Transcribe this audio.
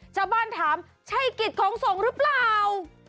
จะบ้านถามใช่กฤตของสงหรือเปล่า